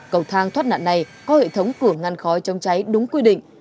cầu thang thoát nạn này có hệ thống cửa ngăn khói trông cháy đúng quy định